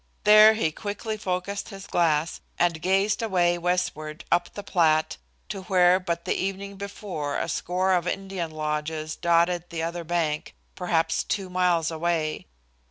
There he quickly focussed his glass, and gazed away westward up the Platte to where but the evening before a score of Indian lodges dotted the other bank, perhaps two miles away.